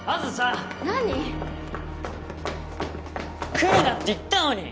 来るなって言ったのに！